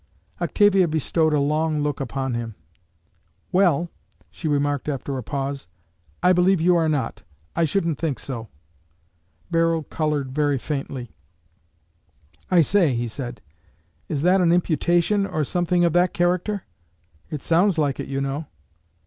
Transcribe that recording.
Octavia bestowed a long look upon him. "Well," she remarked, after a pause, "I believe you are not. I shouldn't think so." Barold colored very faintly. "I say," he said, "is that an imputation, or something of that character? It sounds like it, you know."